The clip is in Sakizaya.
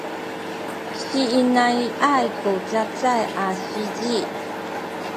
siinai’ay ku cacay a sizi